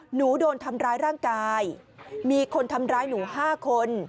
หนูโดนทำร้ายร่างกายมีคนทำร้ายหนู๕คน